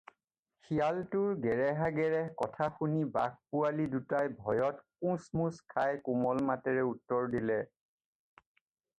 শিয়ালটোৰ গেৰেহাগেৰেহ কথা শুনি বাঘ-পোৱালি দুটাই ভয়ত কোঁচমোচ খাই কোমল মাতেৰে উত্তৰ দিলে।